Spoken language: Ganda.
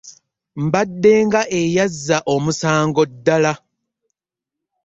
Mbadde nga eyazza omusango ddala.